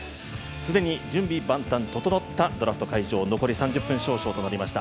既に準備万端整ったドラフト会場、残り３０分少々となりました。